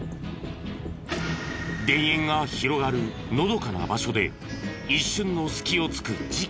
田園が広がるのどかな場所で一瞬の隙をつく事件が起きた。